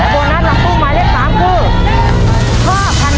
และโบนัสหลังตู้หมายเลขสามคือ